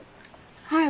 はい。